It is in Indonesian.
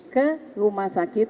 ke rumah sakit